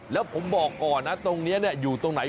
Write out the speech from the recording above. แล้วผมบอกก่อนนะตรงนี้อยู่ตรงไหน